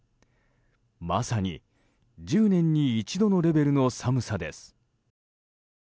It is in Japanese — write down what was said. まさに１０年に一度のレベルの寒さです。